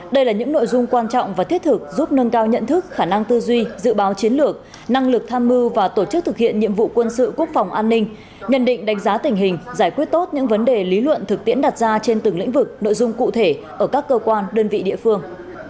đây là những nội dung quan trọng và thiết thực giúp nâng cao nhận thức khả năng tư duy dự báo chiến lược năng lực tham mưu và tổ chức thực hiện nhiệm vụ quân sự quốc phòng an ninh nhận định đánh giá tình hình giải quyết tốt những vấn đề lý luận thực tiễn đặt ra trên từng lĩnh vực nội dung cụ thể ở các cơ quan đơn vị địa phương